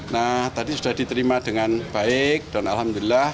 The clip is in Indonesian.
nah tadi sudah diterima dengan baik dan alhamdulillah